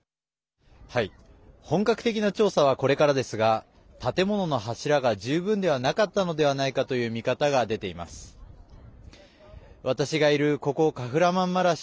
本格的な調査はこれからですが建物の柱が十分ではなかったのではないかという見方が出ています。